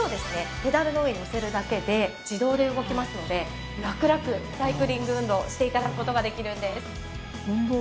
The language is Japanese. ペダルの上にのせるだけで自動で動きますのでラクラクサイクリング運動をして頂く事ができるんです。